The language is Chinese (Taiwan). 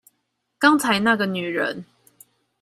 剛才那個女人